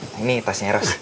pak ini tasnya ros